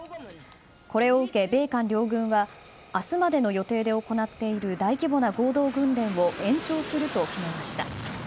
これを受け、米韓両軍は明日までの予定で行っている大規模な合同訓練を延長すると決めました。